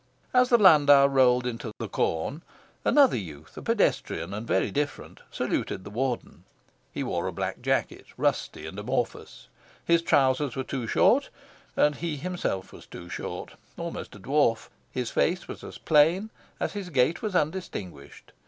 As the landau rolled into "the Corn," another youth a pedestrian, and very different saluted the Warden. He wore a black jacket, rusty and amorphous. His trousers were too short, and he himself was too short: almost a dwarf. His face was as plain as his gait was undistinguished.